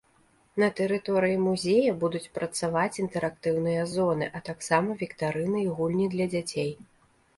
На тэрыторыі музея будуць працаваць інтэрактыўныя зоны, а таксама віктарыны і гульні для дзяцей.